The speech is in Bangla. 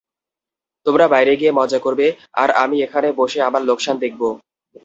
তোমরা বাইরে গিয়ে মজা করবে, আর আমি এখনে বসে আমার লোকসান দেখবো?